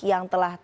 yang telah terjadi